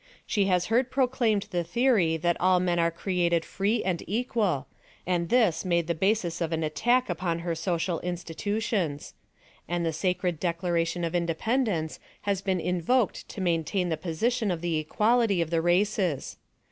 She has heard proclaimed the theory that all men are created free and equal, and this made the basis of an attack upon her social institutions; and the sacred Declaration of Independence has been invoked to maintain the position of the equality of the races.